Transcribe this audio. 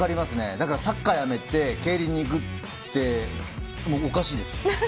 サッカーをやめて競輪に行くっておかしいです。